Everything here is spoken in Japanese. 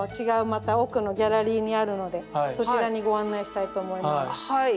また奥のギャラリーにあるのでそちらにご案内したいと思います。